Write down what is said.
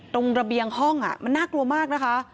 ตรงระเบียงห้องน่ากลัวมากนะคะ